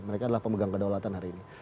mereka adalah pemegang kedaulatan hari ini